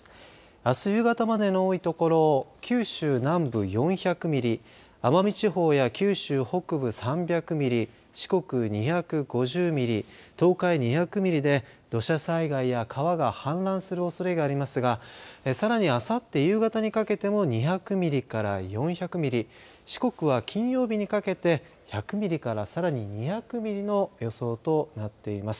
あす夕方までの多いところ九州南部４００ミリ奄美地方や九州北部３００ミリ四国２５０ミリ東海２００ミリで土砂災害や川が氾濫するおそれがありますがさらに、あさって夕方にかけても２００ミリから４００ミリ四国は金曜日にかけて１００ミリからさらに２００ミリの予想となっています。